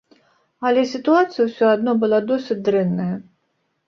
Але сітуацыя ўсё адно была досыць дрэнная.